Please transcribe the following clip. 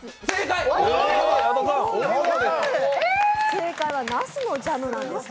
正解はなすのジャムなんです。